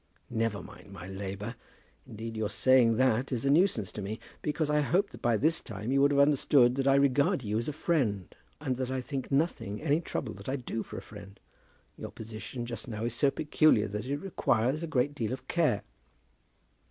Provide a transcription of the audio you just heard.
"Never mind my labour. Indeed your saying that is a nuisance to me, because I hoped that by this time you would have understood that I regard you as a friend, and that I think nothing any trouble that I do for a friend. Your position just now is so peculiar that it requires a great deal of care."